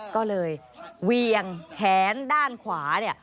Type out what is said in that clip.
ก็เลยเวียงแขนด้านขวาเนี่ย